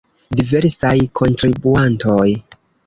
Diversaj kontribuantoj.